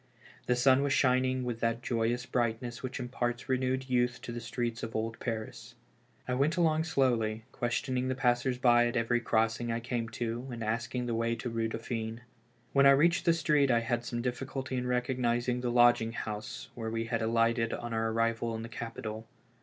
The sun was shining with that joyous brightness which imparts renewed youth to the streets of old Paris. I went along slowly, questioning the passers by at every crossing I came to, and asking the way to the Eue Dauphine. When I reached the street I had some difficulty in recognizing the lodging house where we had alighted on our arrival in the capital.